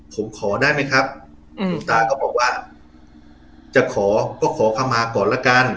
ผมขอได้ไหมครับคุณตาก็บอกว่าจะขอก็ขอเข้ามาก่อนละกัน